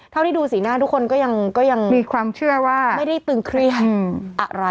เท่าที่ดูสีหน้าทุกคนก็ยังมีความเชื่อว่าไม่ได้ตึงเครียดอะไร